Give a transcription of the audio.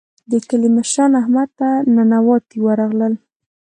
د کلي مشران احمد ته ننواتې ورغلل.